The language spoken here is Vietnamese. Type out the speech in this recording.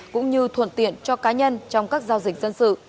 cũng như thuận tiện cho cá nhân trong các giao dịch dân sự